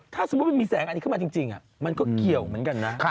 ถ้าสมมุติมันมีแสงอันนี้ขึ้นมาจริงมันก็เกี่ยวเหมือนกันนะ